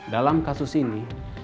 dalam kasus ini